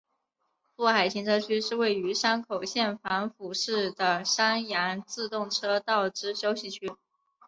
富海停车区是位于山口县防府市的山阳自动车道之休息区。